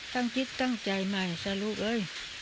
ตั้งคิดตั้งใจใหม่สรุปเลย